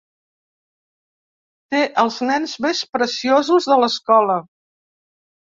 Té els nens més preciosos de l'escola.